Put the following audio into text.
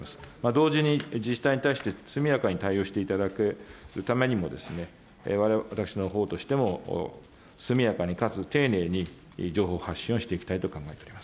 同時に、自治体に対して速やかに対応していただけるためにも、私のほうとしても速やかにかつ丁寧に、情報発信をしていきたいと考